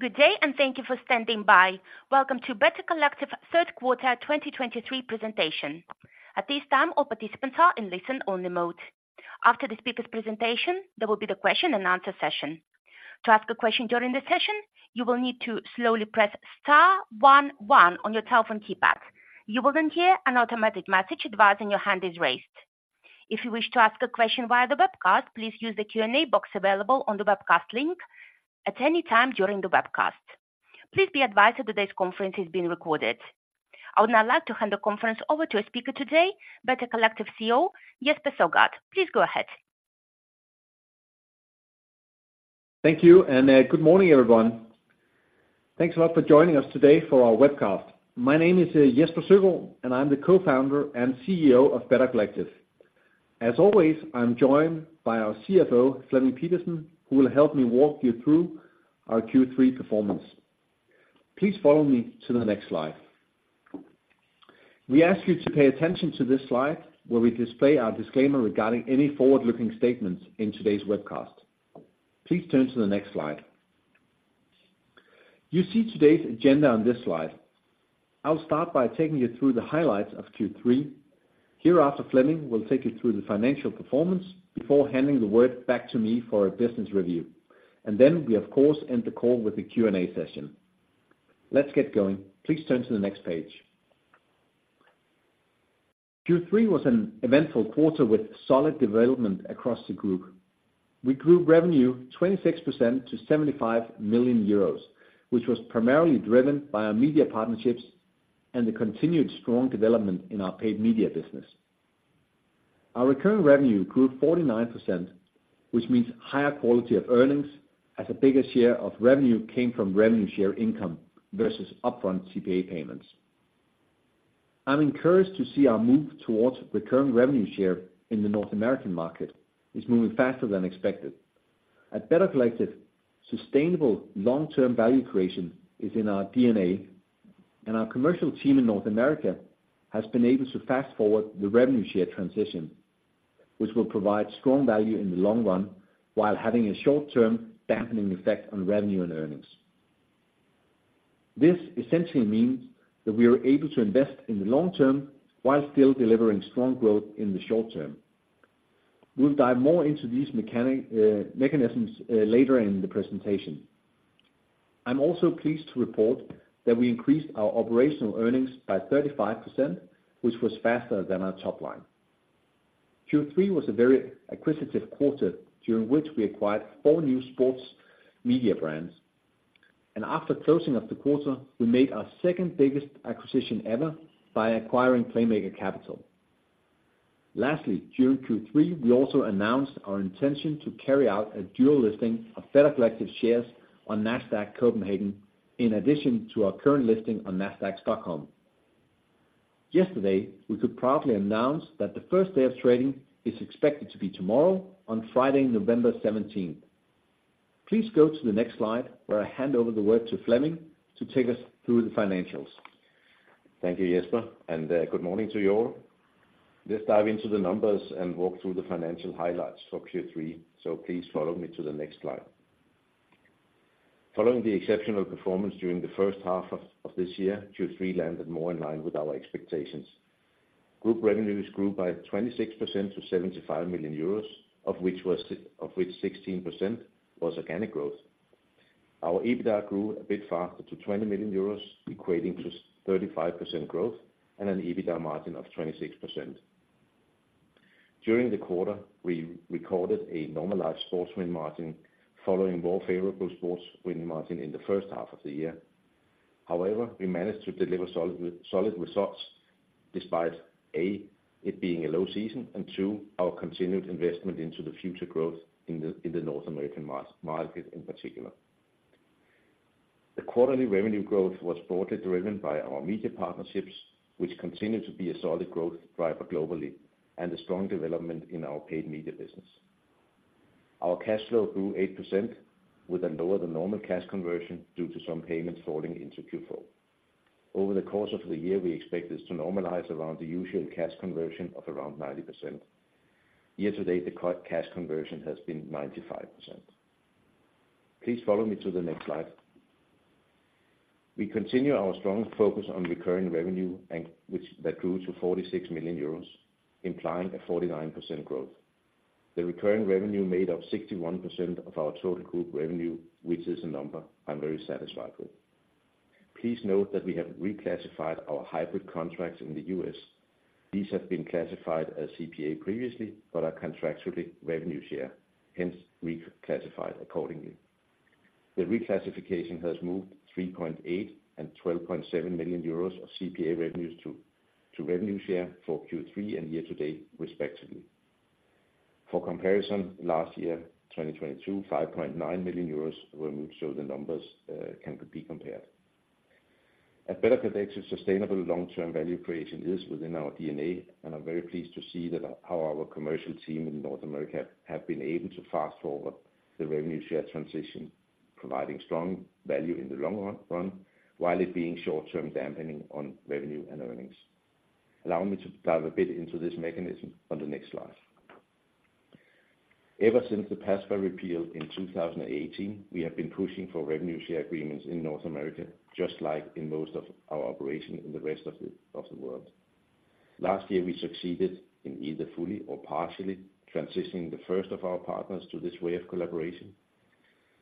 Good day, and thank you for standing by. Welcome to Better Collective third quarter 2023 presentation. At this time, all participants are in listen-only mode. After the speaker's presentation, there will be the question and answer session. To ask a question during the session, you will need to slowly press star one one on your telephone keypad. You will then hear an automatic message advising your hand is raised. If you wish to ask a question via the webcast, please use the Q&A box available on the webcast link at any time during the webcast. Please be advised that today's conference is being recorded. I would now like to hand the conference over to our speaker today, Better Collective CEO, Jesper Søgaard. Please go ahead. Thank you and good morning, everyone. Thanks a lot for joining us today for our webcast. My name is Jesper Søgaard, and I'm the Co-Founder and CEO of Better Collective. As always, I'm joined by our CFO, Flemming Pedersen, who will help me walk you through our Q3 performance. Please follow me to the next slide. We ask you to pay attention to this slide, where we display our disclaimer regarding any forward-looking statements in today's webcast. Please turn to the next slide. You see today's agenda on this slide. I'll start by taking you through the highlights of Q3. Hereafter, Flemming will take you through the financial performance before handing the word back to me for a business review. And then we, of course, end the call with a Q&A session. Let's get going. Please turn to the next page. Q3 was an eventful quarter with solid development across the group. We grew revenue 26% to 75 million euros, which was primarily driven by our media partnerships and the continued strong development in our paid media business. Our recurring revenue grew 49%, which means higher quality of earnings, as a bigger share of revenue came from revenue share income versus upfront CPA payments. I'm encouraged to see our move towards recurring revenue share in the North American market is moving faster than expected. At Better Collective, sustainable long-term value creation is in our DNA, and our commercial team in North America has been able to fast-forward the revenue share transition, which will provide strong value in the long run, while having a short-term dampening effect on revenue and earnings. This essentially means that we are able to invest in the long term, while still delivering strong growth in the short term. We'll dive more into these mechanics, mechanisms, later in the presentation. I'm also pleased to report that we increased our operational earnings by 35%, which was faster than our top line. Q3 was a very acquisitive quarter, during which we acquired four new sports media brands, and after closing of the quarter, we made our second biggest acquisition ever by acquiring Playmaker Capital. Lastly, during Q3, we also announced our intention to carry out a dual listing of Better Collective shares on Nasdaq Copenhagen, in addition to our current listing on Nasdaq Stockholm. Yesterday, we could proudly announce that the first day of trading is expected to be tomorrow, on Friday, November 17. Please go to the next slide, where I hand over the word to Flemming to take us through the financials. Thank you, Jesper, and good morning to you all. Let's dive into the numbers and walk through the financial highlights for Q3. Please follow me to the next slide. Following the exceptional performance during the first half of this year, Q3 landed more in line with our expectations. Group revenues grew by 26% to 75 million euros, of which 16% was organic growth. Our EBITDA grew a bit faster to 20 million euros, equating to 35% growth and an EBITDA margin of 26%. During the quarter, we recorded a normalized sports win margin, following more favorable sports win margin in the first half of the year. However, we managed to deliver solid results, despite, one, it being a low season, and two, our continued investment into the future growth in the North American market in particular. The quarterly revenue growth was broadly driven by our media partnerships, which continue to be a solid growth driver globally and a strong development in our paid media business. Our cash flow grew 8% with a lower-than-normal cash conversion due to some payments falling into Q4. Over the course of the year, we expect this to normalize around the usual cash conversion of around 90%. Year to date, the cash conversion has been 95%. Please follow me to the next slide. We continue our strong focus on recurring revenue, which grew to 46 million euros, implying a 49% growth. The recurring revenue made up 61% of our total group revenue, which is a number I'm very satisfied with. Please note that we have reclassified our hybrid contracts in the U.S. These have been classified as CPA previously, but are contractually revenue share, hence reclassified accordingly. The reclassification has moved 3.8 million and 12.7 million euros of CPA revenues to revenue share for Q3 and year to date, respectively. For comparison, last year, 2022, 5.9 million euros were moved, so the numbers can be compared. At Better Collective, sustainable long-term value creation is within our DNA, and I'm very pleased to see that how our commercial team in North America have been able to fast-forward the revenue share transition, providing strong value in the long run while it being short-term dampening on revenue and earnings. Allow me to dive a bit into this mechanism on the next slide. Ever since the PASPA repeal in 2018, we have been pushing for revenue share agreements in North America, just like in most of our operations in the rest of the, of the world. Last year, we succeeded in either fully or partially transitioning the first of our partners to this way of collaboration.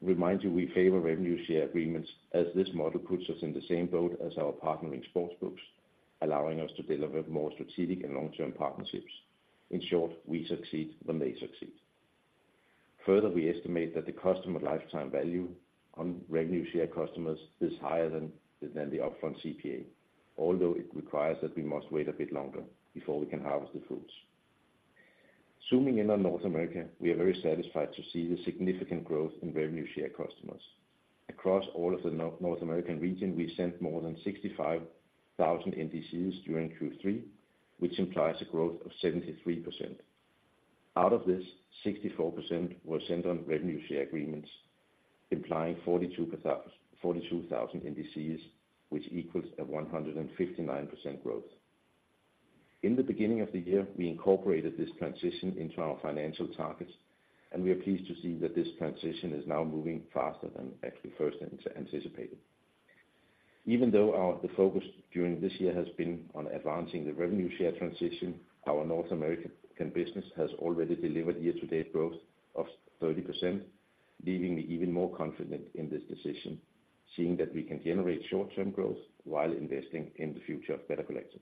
Remind you, we favor revenue share agreements, as this model puts us in the same boat as our partnering sportsbooks, allowing us to deliver more strategic and long-term partnerships. In short, we succeed when they succeed. Further, we estimate that the customer lifetime value on revenue share customers is higher than, than the upfront CPA, although it requires that we must wait a bit longer before we can harvest the fruits. Zooming in on North America, we are very satisfied to see the significant growth in revenue share customers. Across all of the North American region, we sent more than 65,000 NDCs during Q3, which implies a growth of 73%. Out of this, 64% were sent on revenue share agreements, implying 42,000, 42,000 NDCs, which equals a 159% growth. In the beginning of the year, we incorporated this transition into our financial targets, and we are pleased to see that this transition is now moving faster than actually first anticipated. Even though our, the focus during this year has been on advancing the revenue share transition, our North American business has already delivered year-to-date growth of 30%, leaving me even more confident in this decision, seeing that we can generate short-term growth while investing in the future of Better Collective.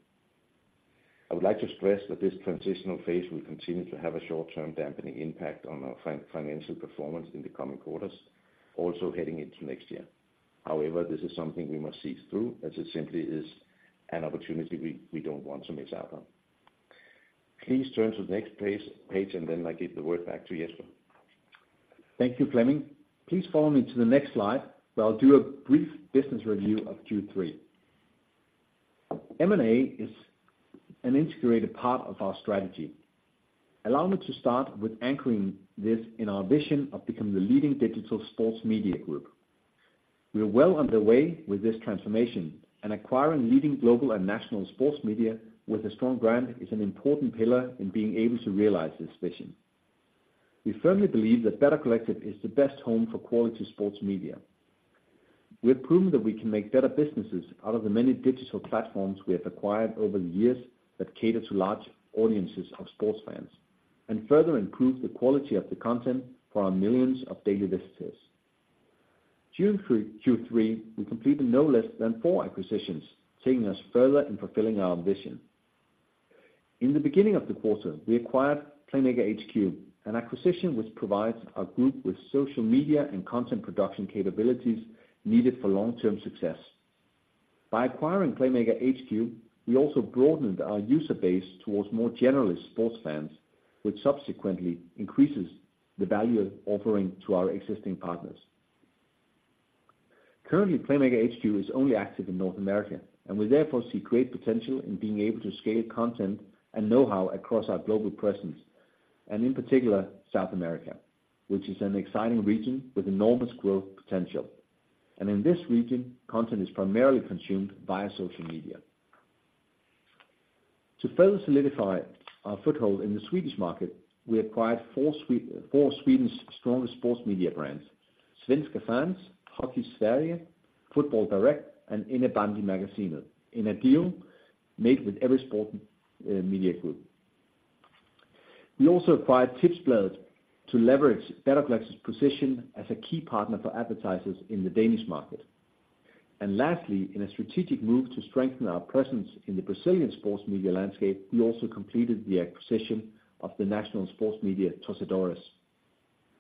I would like to stress that this transitional phase will continue to have a short-term dampening impact on our financial performance in the coming quarters, also heading into next year. However, this is something we must see through, as it simply is an opportunity we don't want to miss out on. Please turn to the next page, and then I give the word back to Jesper. Thank you, Flemming. Please follow me to the next slide, where I'll do a brief business review of Q3. M&A is an integrated part of our strategy. Allow me to start with anchoring this in our vision of becoming the leading digital sports media group. We are well underway with this transformation, and acquiring leading global and national sports media with a strong brand is an important pillar in being able to realize this vision. We firmly believe that Better Collective is the best home for quality sports media. We have proven that we can make better businesses out of the many digital platforms we have acquired over the years that cater to large audiences of sports fans, and further improve the quality of the content for our millions of daily visitors. During Q3, we completed no less than four acquisitions, taking us further in fulfilling our ambition. In the beginning of the quarter, we acquired Playmaker HQ, an acquisition which provides our group with social media and content production capabilities needed for long-term success. By acquiring Playmaker HQ, we also broadened our user base towards more generalist sports fans, which subsequently increases the value offering to our existing partners. Currently, Playmaker HQ is only active in North America, and we therefore see great potential in being able to scale content and know-how across our global presence, and in particular, South America, which is an exciting region with enormous growth potential. And in this region, content is primarily consumed via social media. To further solidify our foothold in the Swedish market, we acquired four of Sweden's strongest sports media brands, Svenska Fans, HockeySverige, FotbollDirekt, and Innebandymagazinet, in a deal made with Everysport Media Group. We also acquired Tipsbladet to leverage Better Collective's position as a key partner for advertisers in the Danish market. And lastly, in a strategic move to strengthen our presence in the Brazilian sports media landscape, we also completed the acquisition of the national sports media, Torcedores.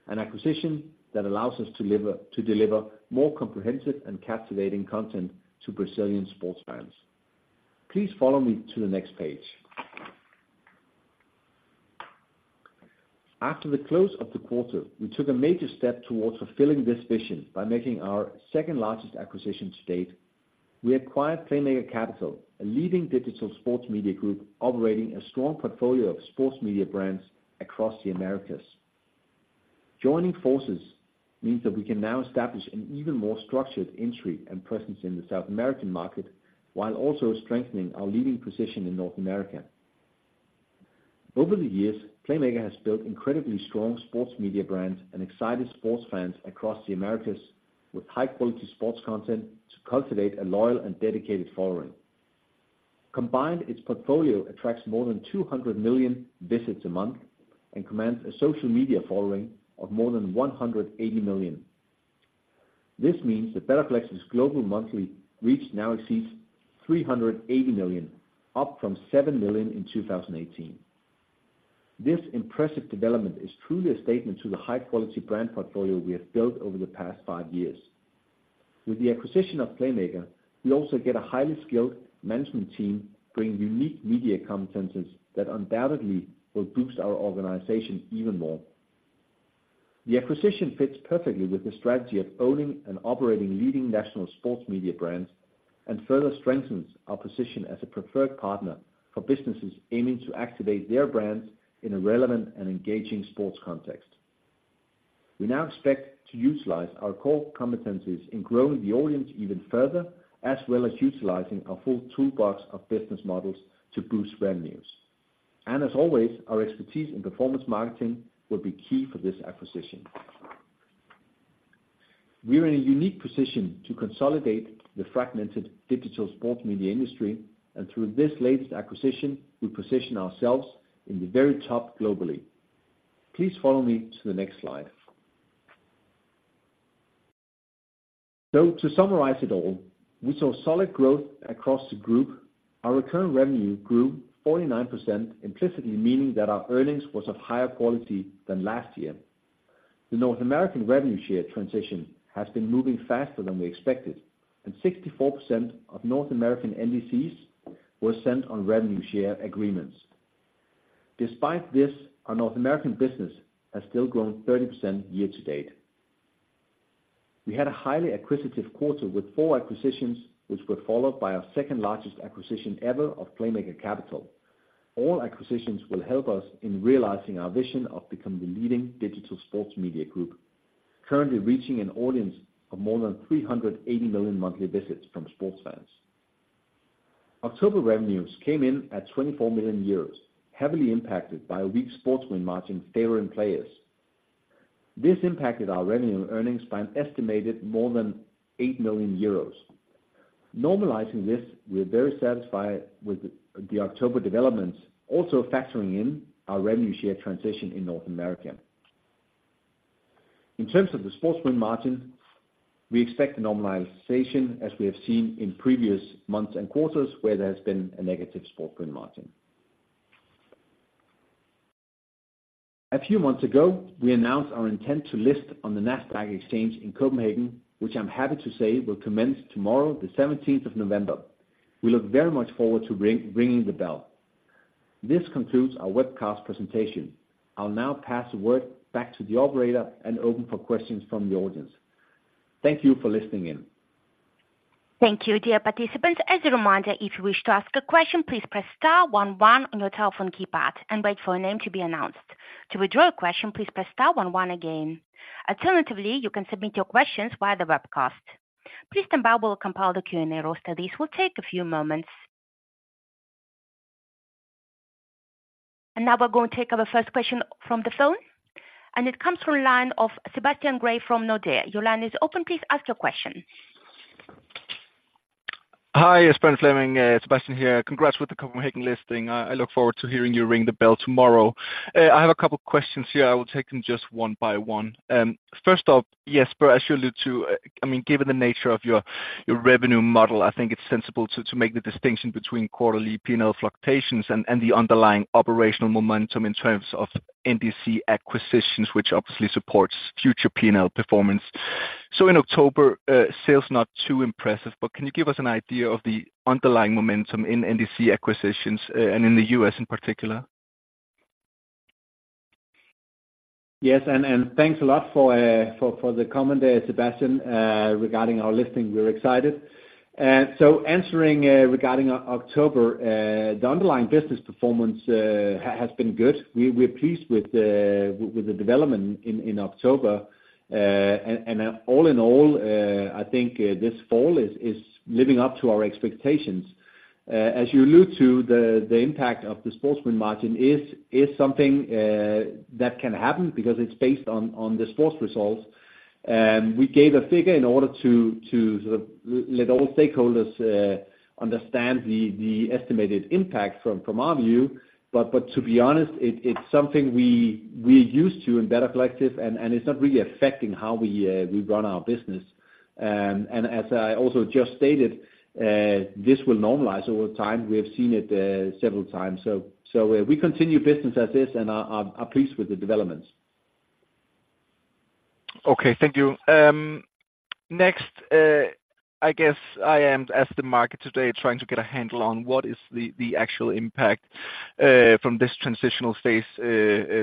An acquisition that allows us to deliver more comprehensive and captivating content to Brazilian sports fans. Please follow me to the next page. After the close of the quarter, we took a major step towards fulfilling this vision by making our second-largest acquisition to date. We acquired Playmaker Capital, a leading digital sports media group operating a strong portfolio of sports media brands across the Americas. Joining forces means that we can now establish an even more structured entry and presence in the South American market, while also strengthening our leading position in North America. Over the years, Playmaker has built incredibly strong sports media brands and excited sports fans across the Americas with high-quality sports content to cultivate a loyal and dedicated following. Combined, its portfolio attracts more than 200 million visits a month and commands a social media following of more than 180 million. This means that Better Collective's global monthly reach now exceeds 380 million, up from seven million in 2018. This impressive development is truly a statement to the high-quality brand portfolio we have built over the past five years. With the acquisition of Playmaker, we also get a highly skilled management team, bringing unique media competencies that undoubtedly will boost our organization even more. The acquisition fits perfectly with the strategy of owning and operating leading national sports media brands, and further strengthens our position as a preferred partner for businesses aiming to activate their brands in a relevant and engaging sports context. We now expect to utilize our core competencies in growing the audience even further, as well as utilizing our full toolbox of business models to boost revenues. And as always, our expertise in performance marketing will be key for this acquisition. We are in a unique position to consolidate the fragmented digital sports media industry, and through this latest acquisition, we position ourselves in the very top globally. Please follow me to the next slide. So to summarize it all, we saw solid growth across the group. Our recurring revenue grew 49%, implicitly meaning that our earnings was of higher quality than last year. The North American revenue share transition has been moving faster than we expected, and 64% of North American NDCs were sent on revenue share agreements. Despite this, our North American business has still grown 30% year to date. We had a highly acquisitive quarter with four acquisitions, which were followed by our second-largest acquisition ever of Playmaker Capital. All acquisitions will help us in realizing our vision of becoming the leading digital sports media group, currently reaching an audience of more than 380 million monthly visits from sports fans. October revenues came in at 24 million euros, heavily impacted by a weak sports win margin favoring players. This impacted our revenue earnings by an estimated more than 8 million euros. Normalizing this, we are very satisfied with the October developments, also factoring in our revenue share transition in North America. In terms of the sports win margin, we expect the normalization, as we have seen in previous months and quarters, where there has been a negative sports win margin. A few months ago, we announced our intent to list on the Nasdaq Copenhagen, which I'm happy to say will commence tomorrow, the seventeenth of November. We look very much forward to ring, ringing the bell. This concludes our webcast presentation. I'll now pass the word back to the operator and open for questions from the audience. Thank you for listening in. Thank you, dear participants. As a reminder, if you wish to ask a question, please press star one one on your telephone keypad and wait for your name to be announced. To withdraw a question, please press star one one again. Alternatively, you can submit your questions via the webcast. Please stand by. We'll compile the Q&A roster. This will take a few moments. Now we're going to take our first question from the phone, and it comes from line of Sebastian Grave from Nordea. Your line is open. Please ask your question. Hi, Jesper, Flemming, Sebastian here. Congrats with the Copenhagen listing. I look forward to hearing you ring the bell tomorrow. I have a couple questions here. I will take them just one by one. First off, Jesper, as you allude to, I mean, given the nature of your, your revenue model, I think it's sensible to make the distinction between quarterly P&L fluctuations and the underlying operational momentum in terms of NDC acquisitions, which obviously supports future P&L performance. So in October, sales not too impressive, but can you give us an idea of the underlying momentum in NDC acquisitions, and in the U.S. in particular? Yes, and thanks a lot for the comment there, Sebastian, regarding our listing. We're excited. So answering regarding October, the underlying business performance has been good. We're pleased with the development in October. And all in all, I think this fall is living up to our expectations. As you allude to, the impact of the sports win margin is something that can happen because it's based on the sports results. We gave a figure in order to sort of let all stakeholders understand the estimated impact from our view. But to be honest, it's something we're used to in Better Collective, and it's not really affecting how we run our business. And as I also just stated, this will normalize over time. We have seen it, several times. So, we continue business as is and are pleased with the developments. Okay. Thank you. Next, I guess I am, as the market today, trying to get a handle on what is the, the actual impact, from this transitional phase,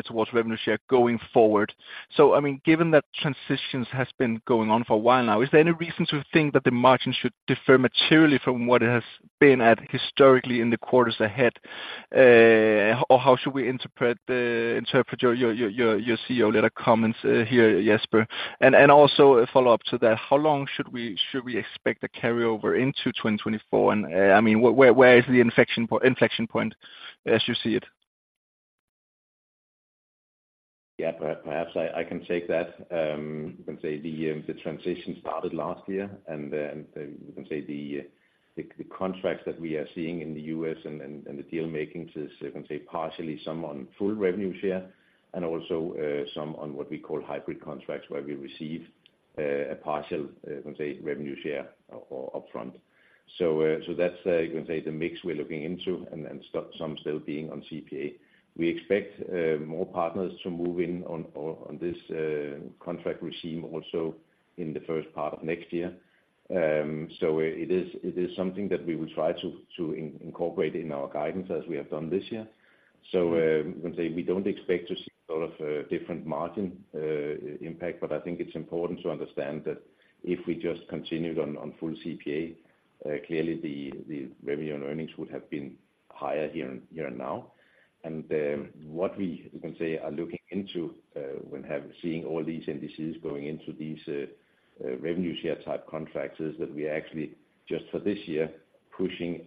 towards revenue share going forward. So, I mean, given that transitions has been going on for a while now, is there any reason to think that the margin should differ materially from what it has been at historically in the quarters ahead? Or how should we interpret interpret your, your, your, your CEO letter comments, here, Jesper? And, and also a follow-up to that, how long should we, should we expect a carryover into 2024? And, I mean, where, where is the inflection point as you see it? Yeah, perhaps I, I can take that. You can say the transition started last year, and then you can say the contracts that we are seeing in the U.S. and the deal makings is, you can say, partially some on full revenue share, and also some on what we call hybrid contracts, where we receive a partial, you can say, revenue share or upfront. So, so that's, you can say the mix we're looking into, and some still being on CPA. We expect more partners to move in on this contract regime also in the first part of next year. So it is something that we will try to incorporate in our guidance, as we have done this year.... So, we say we don't expect to see a lot of different margin impact, but I think it's important to understand that if we just continued on full CPA, clearly the revenue and earnings would have been higher here and now. What we can say we are looking into, when seeing all these indices going into these revenue share type contracts, is that we actually just for this year, pushing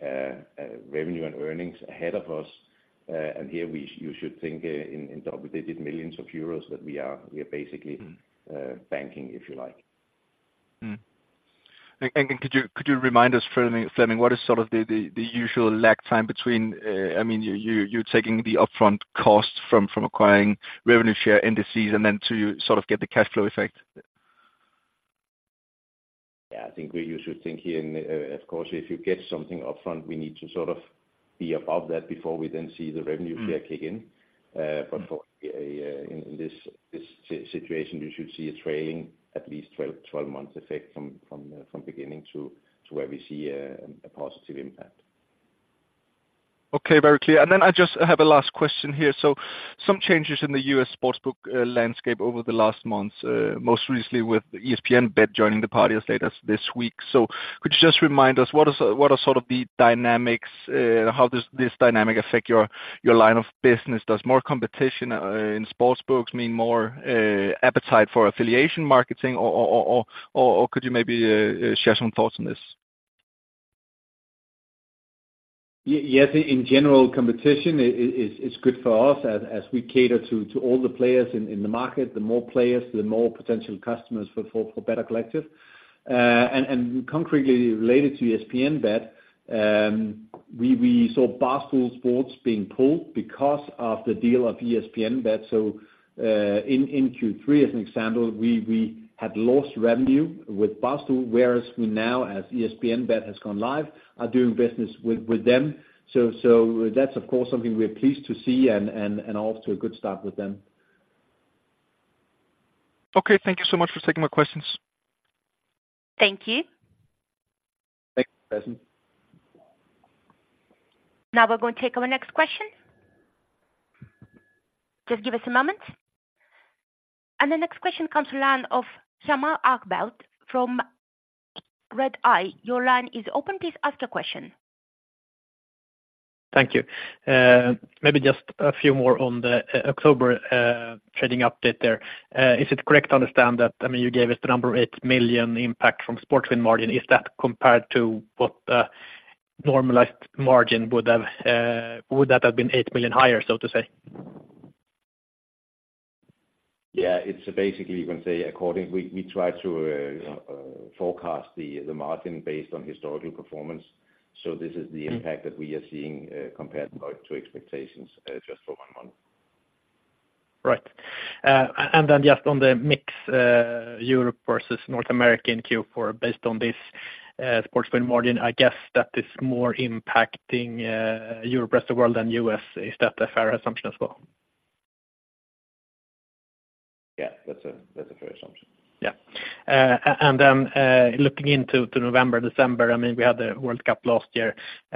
revenue and earnings ahead of us. And here you should think in double-digit millions EUR that we are basically banking, if you like. Could you remind us, Flemming, what is sort of the usual lag time between, I mean, you're taking the upfront cost from acquiring revenue share indices, and then to sort of get the cash flow effect? Yeah, I think you should think here, and, of course, if you get something upfront, we need to sort of be above that before we then see the revenue share kick in. Mm. But for in this situation, you should see a trailing at least 12 months effect from beginning to where we see a positive impact. Okay. Very clear. And then I just have a last question here. So some changes in the US sportsbook landscape over the last months, most recently with ESPN Bet joining the party as late as this week. So could you just remind us what is, what are sort of the dynamics, how does this dynamic affect your, your line of business? Does more competition in sportsbooks mean more appetite for affiliate marketing or, or, or, or, or, could you maybe share some thoughts on this? Yes, in general, competition is good for us as we cater to all the players in the market. The more players, the more potential customers for Better Collective. And concretely related to ESPN Bet, we saw Barstool Sports being pulled because of the deal of ESPN Bet. So, in Q3, as an example, we had lost revenue with Barstool, whereas we now, as ESPN Bet has gone live, are doing business with them. So that's of course something we're pleased to see and off to a good start with them. Okay, thank you so much for taking my questions. Thank you. Thanks, Preston. Now we're going to take our next question. Just give us a moment. The next question comes to line of Hjalmar Ahlberg from Red Eye. Your line is open. Please ask your question. Thank you. Maybe just a few more on the October trading update there. Is it correct to understand that, I mean, you gave us the number 8 million impact from sports win margin? Is that compared to what normalized margin would have would that have been 8 million higher, so to say? Yeah, it's basically you can say according... We try to forecast the margin based on historical performance. So this is the impact- Mm... that we are seeing, compared to expectations, just for one month. Right. And then just on the mix, Europe versus North America in Q4, based on this, sports win margin, I guess that is more impacting, Europe, rest of world than U.S. Is that a fair assumption as well? Yeah, that's a, that's a fair assumption. Yeah. And then, looking into November, December, I mean, we had the World Cup last year,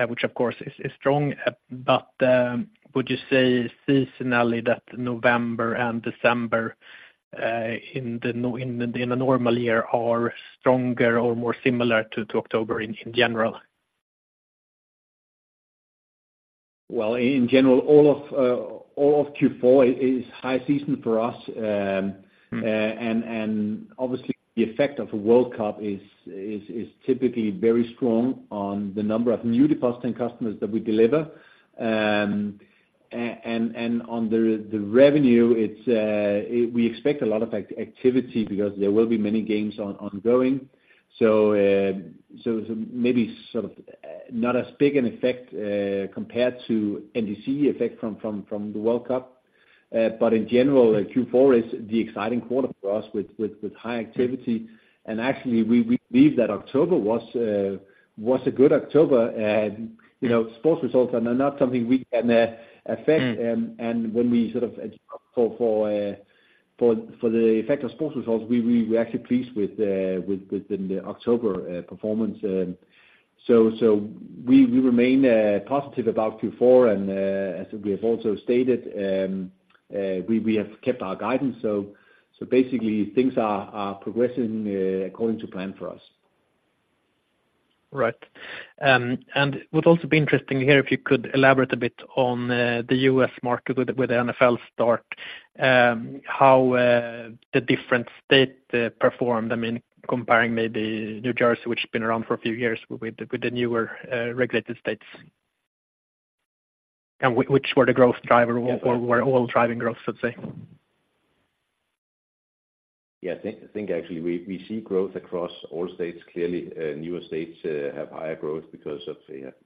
which of course is strong. But, would you say seasonally that November and December in a normal year are stronger or more similar to October in general? Well, in general, all of Q4 is high season for us. Mm. Obviously, the effect of a World Cup is typically very strong on the number of new depositing customers that we deliver. And on the revenue, it's we expect a lot of activity because there will be many games ongoing. So, maybe sort of not as big an effect compared to NDC effect from the World Cup. But in general, Q4 is the exciting quarter for us with high activity. And actually, we believe that October was a good October. You know, sports results are not something we can affect. Mm. And when we sort of, for the effect of sports results, we were actually pleased with the October performance. So we remain positive about Q4. And as we have also stated, we have kept our guidance. So basically, things are progressing according to plan for us. Right. And would also be interesting to hear if you could elaborate a bit on the US market with the NFL start, how the different state performed. I mean, comparing maybe New Jersey, which has been around for a few years with the newer regulated states. And which were the growth driver- Yeah... or were all driving growth, let's say? Yeah, I think, I think actually we, we see growth across all states. Clearly, newer states have higher growth because of,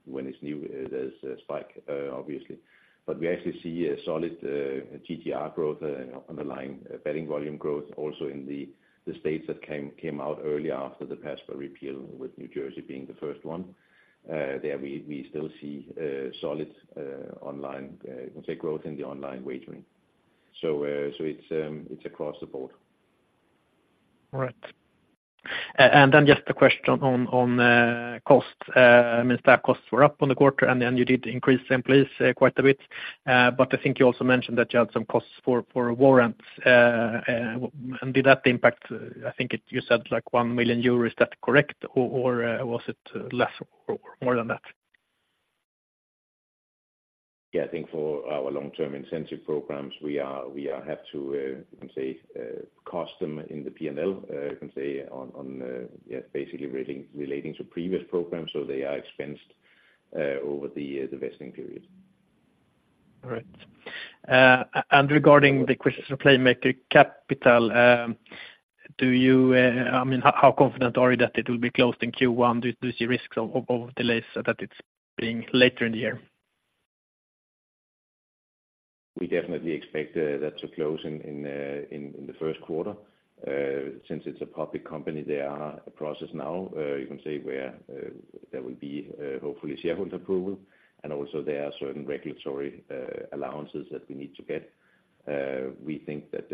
when it's new, there's a spike, obviously. But we actually see a solid, GGR growth, underlying betting volume growth also in the, the states that came, came out earlier after the PASPA repeal, with New Jersey being the first one. There we, we still see, solid, online, I would say growth in the online wagering. So, so it's, it's across the board. ... Right. And then just a question on cost, I mean, staff costs were up on the quarter, and then you did increase employees quite a bit. But I think you also mentioned that you had some costs for warrants. And did that impact? I think it, you said like 1 million euros, is that correct? Or was it less or more than that? Yeah, I think for our long-term incentive programs, we have to cost them in the P&L. You can say, yeah, basically relating to previous programs. So they are expensed over the vesting period. All right. And regarding the question of Playmaker Capital, do you, I mean, how confident are you that it will be closed in Q1? Do you see risks of delays so that it's being later in the year? We definitely expect that to close in the first quarter. Since it's a public company, they are in a process now, you can say, where there will be hopefully shareholder approval. And also there are certain regulatory allowances that we need to get. We think that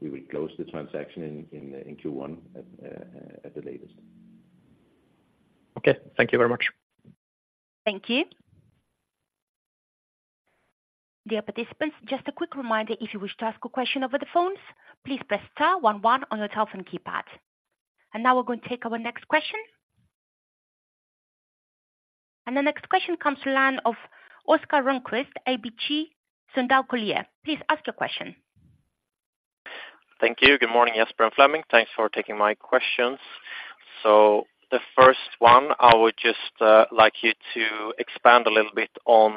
we will close the transaction in Q1 at the latest. Okay, thank you very much. Thank you. Dear participants, just a quick reminder, if you wish to ask a question over the phones, please press star one one on your telephone keypad. And now we're going to take our next question. And the next question comes to line of Oscar Rönnkvist, ABG Sundal Collier. Please ask your question. Thank you. Good morning, Jesper and Flemming. Thanks for taking my questions. So the first one, I would just like you to expand a little bit on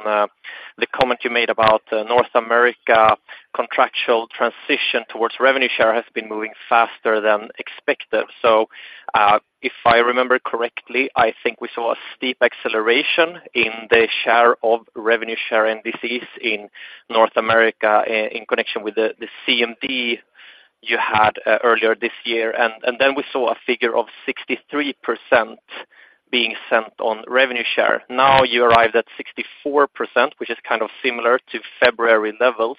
the comment you made about North America contractual transition towards revenue share has been moving faster than expected. So if I remember correctly, I think we saw a steep acceleration in the share of revenue share, and this is in North America, in connection with the CMD you had earlier this year. And then we saw a figure of 63% being sent on revenue share. Now you arrived at 64%, which is kind of similar to February levels.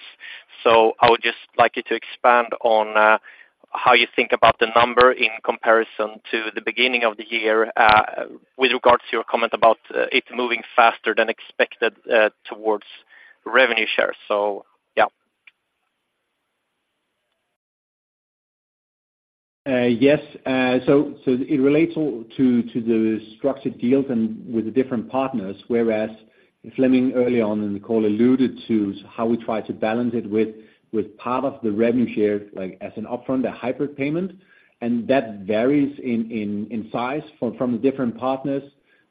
I would just like you to expand on how you think about the number in comparison to the beginning of the year, with regards to your comment about it moving faster than expected towards revenue share. So, yeah. Yes. So it relates all to the structured deals and with the different partners, whereas Flemming, early on in the call, alluded to how we try to balance it with part of the revenue share, like as an upfront, a hybrid payment, and that varies in size from the different partners.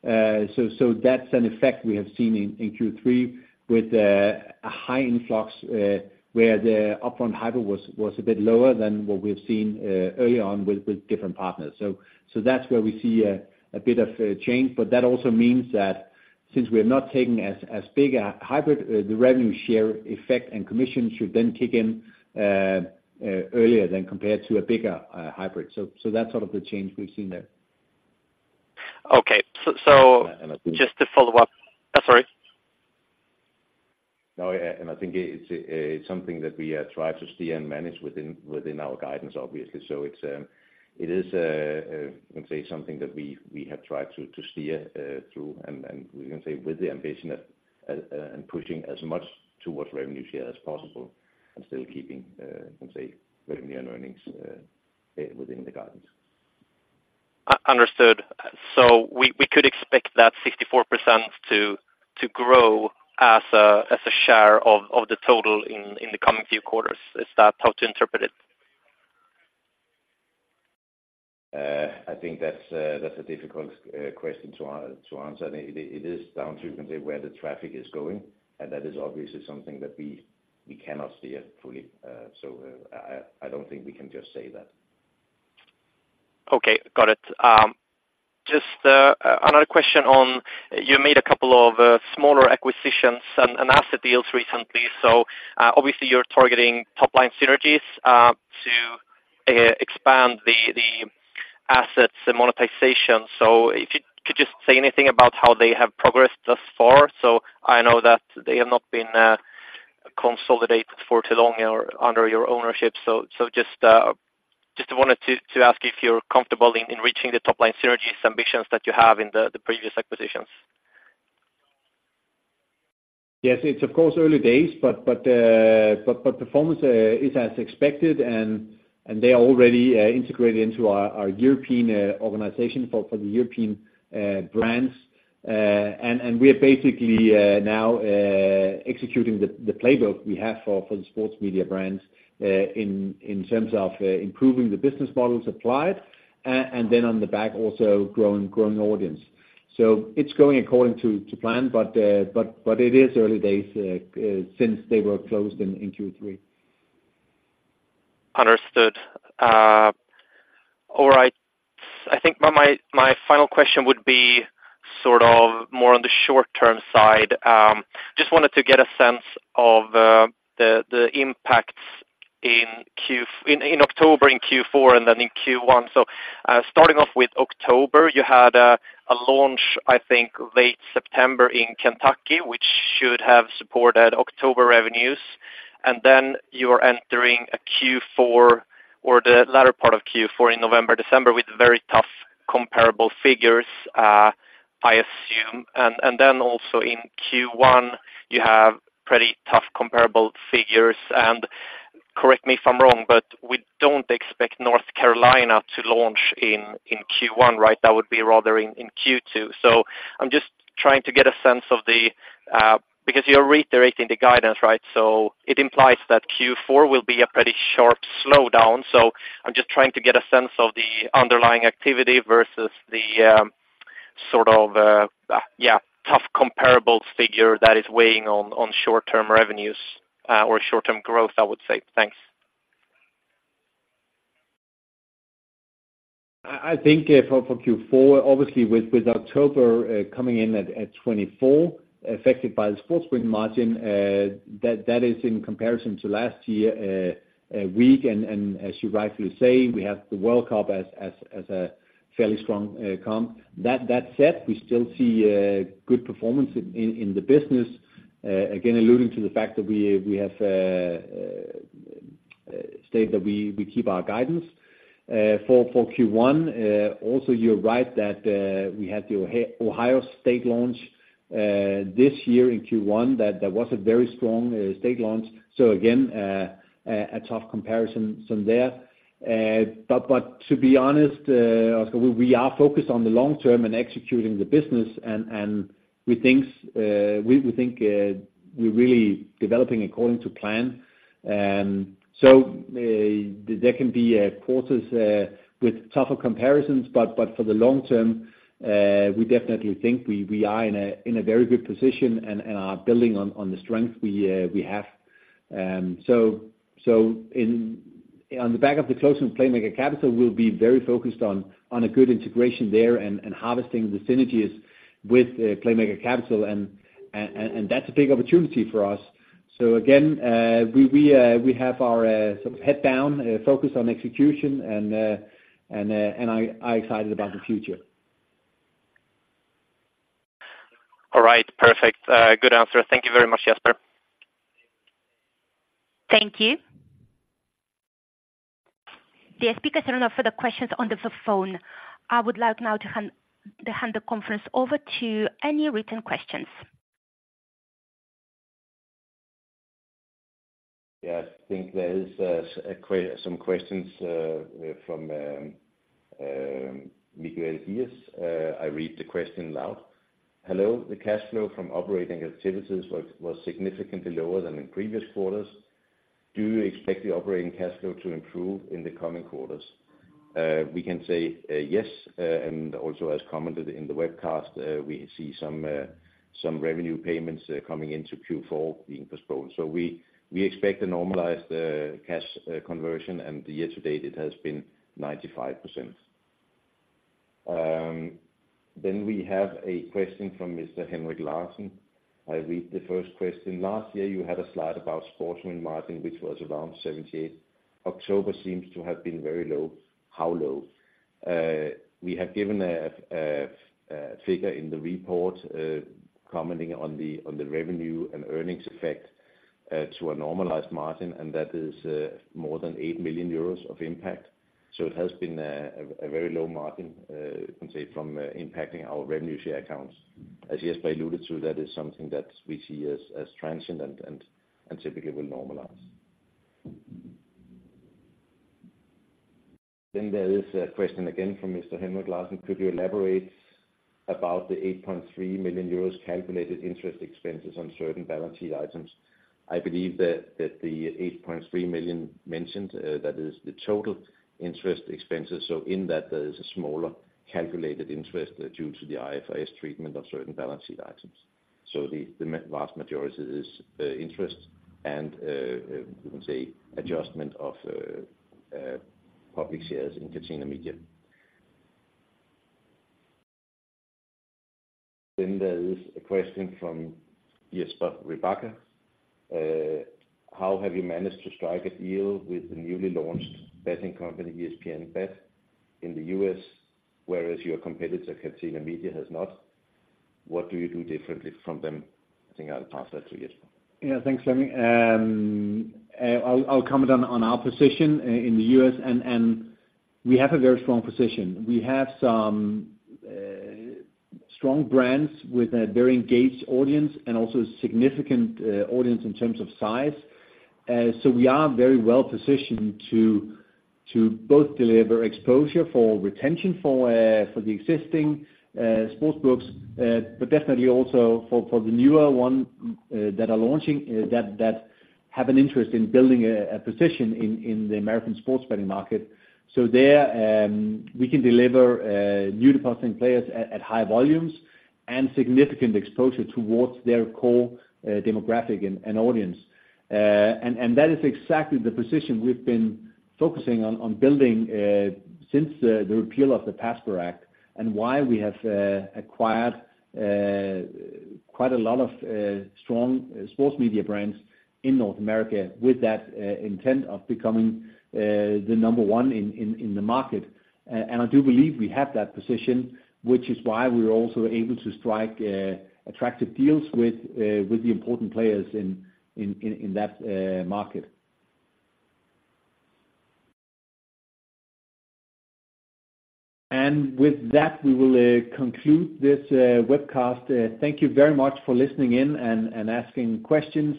So that's an effect we have seen in Q3 with a high influx, where the upfront hybrid was a bit lower than what we've seen early on with different partners. So that's where we see a bit of a change. But that also means that since we have not taken as big a hybrid, the revenue share effect and commission should then kick in earlier than compared to a bigger hybrid. So, that's sort of the change we've seen there. Okay. So, And I think- Just to follow up. Sorry. No, and I think it's something that we try to steer and manage within our guidance, obviously. So it is, let's say, something that we have tried to steer through, and we can say with the ambition of and pushing as much towards revenue share as possible, and still keeping, let's say, revenue and earnings within the guidance. Understood. So we could expect that 64% to grow as a share of the total in the coming few quarters. Is that how to interpret it? I think that's a difficult question to answer. It is down to, you can say, where the traffic is going, and that is obviously something that we cannot steer fully. I don't think we can just say that. Okay, got it. Just another question on, you made a couple of smaller acquisitions and asset deals recently. So, obviously, you're targeting top-line synergies to expand the assets and monetization. So if you could just say anything about how they have progressed thus far. So I know that they have not been consolidated for too long or under your ownership. So just wanted to ask if you're comfortable in reaching the top-line synergies ambitions that you have in the previous acquisitions. Yes, it's of course early days, but performance is as expected, and they are already integrated into our European organization for the European brands. And we are basically now executing the playbook we have for the sports media brands, in terms of improving the business models applied, and then on the back, also growing audience. So it's going according to plan, but it is early days since they were closed in Q3. Understood. All right. I think my final question would be sort of more on the short-term side. Just wanted to get a sense of the impacts in Q4 in October, in Q4, and then in Q1. So, starting off with October, you had a launch, I think, late September in Kentucky, which should have supported October revenues. And then you are entering a Q4, or the latter part of Q4 in November, December, with very tough comparable figures, I assume, and then also in Q1, you have pretty tough comparable figures, and correct me if I'm wrong, but we don't expect North Carolina to launch in Q1, right? That would be rather in Q2. So I'm just trying to get a sense of the, because you're reiterating the guidance, right? So it implies that Q4 will be a pretty sharp slowdown. So I'm just trying to get a sense of the underlying activity versus the sort of tough comparable figure that is weighing on short-term revenues or short-term growth, I would say. Thanks. I think for Q4, obviously with October coming in at 24, affected by the sportsbook margin, that is in comparison to last year a week, and as you rightly say, we have the World Cup as a fairly strong comp. That said, we still see good performance in the business. Again, alluding to the fact that we have stated that we keep our guidance. For Q1, also, you're right that we had the Ohio state launch this year in Q1, that was a very strong state launch, so again a tough comparison from there. But to be honest, Oscar, we are focused on the long term and executing the business, and we think we're really developing according to plan. So, there can be quarters with tougher comparisons, but for the long term, we definitely think we are in a very good position and are building on the strength we have. So, on the back of the closing Playmaker Capital, we'll be very focused on a good integration there and harvesting the synergies with Playmaker Capital, and that's a big opportunity for us. So again, we have our sort of head down, focused on execution, and I'm excited about the future. All right, perfect. Good answer. Thank you very much, Jesper. Thank you. The speakers are now for the questions on the phone. I would like now to hand the conference over to any written questions. Yeah, I think there is some questions from Miguel Diaz. I read the question aloud. Hello, the cash flow from operating activities was significantly lower than in previous quarters. Do you expect the operating cash flow to improve in the coming quarters? We can say yes, and also, as commented in the webcast, we see some revenue payments coming into Q4 being postponed. So we expect a normalized cash conversion, and the year to date, it has been 95%. Then we have a question from Mr. Henrik Larsen. I read the first question: Last year, you had a slide about sports win margin, which was around 78. October seems to have been very low. How low? We have given a figure in the report commenting on the revenue and earnings effect to a normalized margin, and that is more than 8 million euros of impact. So it has been a very low margin, you can say, from impacting our revenue share accounts. As Jasper alluded to, that is something that we see as transient and typically will normalize. Then there is a question again from Mr. Henrik Larsen. Could you elaborate about the 8.3 million euros calculated interest expenses on certain balance sheet items? I believe that the 8.3 million mentioned, that is the total interest expenses, so in that, there is a smaller calculated interest due to the IFRS treatment of certain balance sheet items. So the vast majority is interest and you can say adjustment of public shares in Catena Media. Then there is a question from Jesper Ribacka. How have you managed to strike a deal with the newly launched betting company, ESPN BET, in the U.S., whereas your competitor, Catena Media, has not? What do you do differently from them? I think I'll pass that to Jesper. Yeah, thanks, Flemming. I'll comment on our position in the U.S., and we have a very strong position. We have some strong brands with a very engaged audience and also significant audience in terms of size. So we are very well positioned to both deliver exposure for retention for the existing sports books, but definitely also for the newer one that are launching that have an interest in building a position in the American sports betting market. So there, we can deliver new depositing players at high volumes and significant exposure towards their core demographic and audience. And that is exactly the position we've been focusing on building since the repeal of the PASPA Act, and why we have acquired quite a lot of strong sports media brands in North America with that intent of becoming the number one in the market. And I do believe we have that position, which is why we're also able to strike attractive deals with the important players in that market. And with that, we will conclude this webcast. Thank you very much for listening in and asking questions.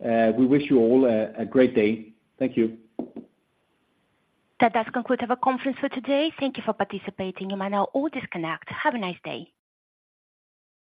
We wish you all a great day. Thank you. That does conclude our conference for today. Thank you for participating. You may now all disconnect. Have a nice day!